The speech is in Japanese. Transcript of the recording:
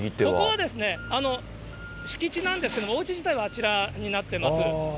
ここはですね、敷地なんですけれども、おうち自体はあちらになってます。